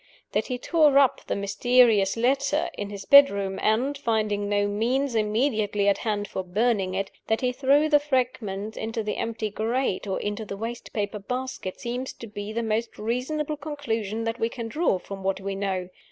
That he tore up the mysterious letter in his bedroom, and (finding no means immediately at hand for burning it) that he threw the fragments into the empty grate, or into the waste paper basket, seems to be the most reasonable conclusion that we can draw from what we know.